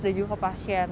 dan juga pasien